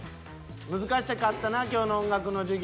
「難しかったな今日の音楽の授業。